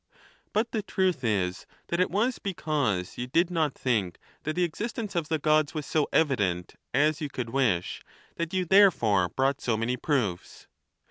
But the truth is, that it was because you did not think that the existence of the Gods was so evident as you could wish that you therefore brought so many proofs.